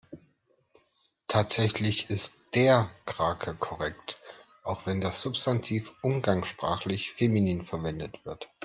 Tatsächlich ist der Krake korrekt, auch wenn das Substantiv umgangssprachlich feminin verwendet wird.